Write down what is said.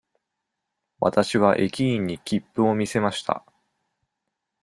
わたしは駅員に切符を見せました。